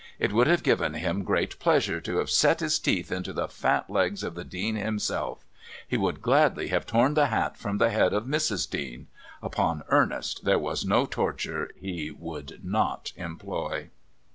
It would have given him great pleasure to have set his teeth into the fat legs of the Dean himself; he would gladly have torn the hat from the head of Mrs. Dean... Upon Ernest there was no torture he would not employ.